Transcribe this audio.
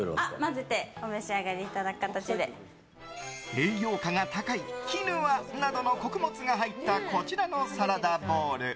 栄養価が高いキヌアなどの穀物が入ったこちらのサラダボウル。